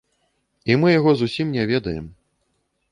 І мы яго зусім не ведаем.